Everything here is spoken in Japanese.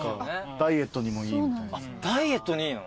ダイエットにいいの？